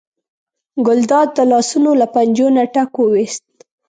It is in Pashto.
ګلداد د لاسونو له پنجو نه ټک وویست.